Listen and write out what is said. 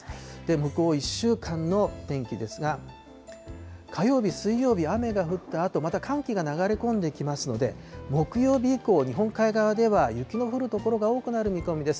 向こう１週間の天気ですが、火曜日、水曜日、雨が降ったあと、また寒気が流れ込んできますので、木曜日以降、日本海側では雪の降る所が多くなる見込みです。